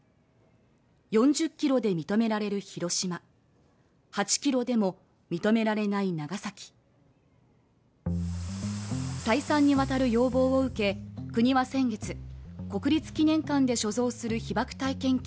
４０ｋｍで認められる広島８ｋｍでも認められない長崎再三にわたる要望を受け国は先月国立祈念館で所蔵する被爆体験記